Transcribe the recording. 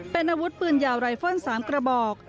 เป็นอาวุธปืนยาวไรเฟิล๓กระบอก